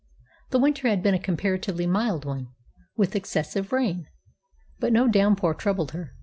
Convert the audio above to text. The winter had been a comparatively mild one, with excessive rain. But no downpour troubled her.